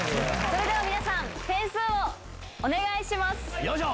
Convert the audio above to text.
それでは皆さん、点数をお願よいしょ。